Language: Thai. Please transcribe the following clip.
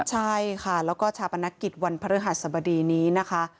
ใช่ค่ะแล้วก็ชาปนกิจวันพระฤหัสบดีนี้นะคะ